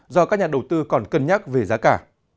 do các nhà đầu tư còn cân nhắc về giá cả